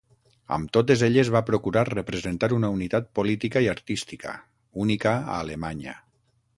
Amb totes elles va procurar representar una unitat política i artística, única a Alemanya.